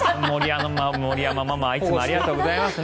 森山ママいつもありがとうございます。